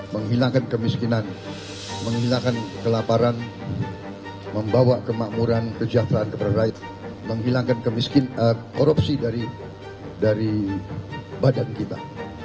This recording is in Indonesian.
menghilangkan kemiskinan menghilangkan kelaparan membawa kemakmuran kejahteraan kepada rakyat menghilangkan korupsi dari badan kita